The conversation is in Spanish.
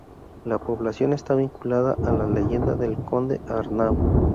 La población está vinculada a la leyenda del conde Arnau.